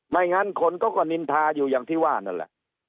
งั้นคนเขาก็นินทาอยู่อย่างที่ว่านั่นแหละ